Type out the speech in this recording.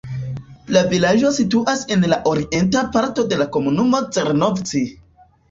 La vilaĝo situas en la orienta parto de la komunumo Zrnovci.